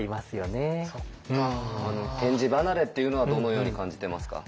点字離れっていうのはどのように感じてますか？